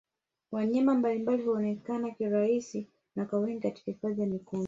Wanyama mbalimbali huonekana kirahisi na kwa wingi Katika Hifadhi ya Mikumi